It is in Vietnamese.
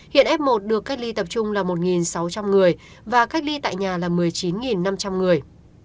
hiện f một được cách ly tập trung là một sáu trăm linh người và cách ly tại nhà là một mươi chín năm trăm linh người